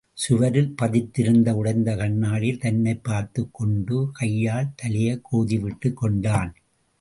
சுவரில் பதித்திருந்த உடைந்த கண்ணாடியில் தன்னைப் பார்த்துக் கொண்டு, கையால் தலையைக் கோதி விட்டுக் கொண்டான்.